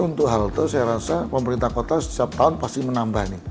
untuk halte saya rasa pemerintah kota setiap tahun pasti menambah nih